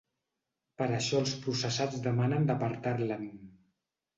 Per això els processats demanen d’apartar-l’en.